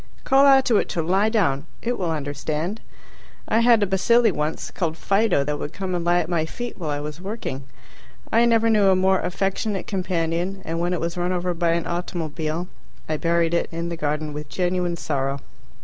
Call out to it to "lie down." It will understand. I had a bacilli once, called Fido, that would come and lie at my feet while I was working. I never knew a more affectionate companion, and when it was run over by an automobile, I buried it in the garden with genuine sorrow.